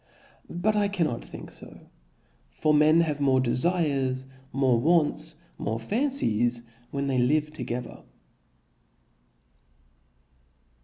But I cannot think fo ; for nr^eri have more defires, more wants, more fancies^^ when tliey live together.